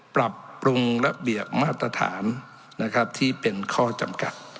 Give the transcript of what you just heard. ปรับปรุงระเบียบมาตรฐานนะครับที่เป็นข้อจำกัด